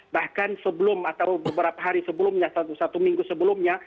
bahkan sebelum atau beberapa hari sebelumnya satu minggu sebelumnya